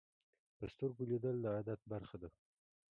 په سترګو لیدل د عادت برخه ده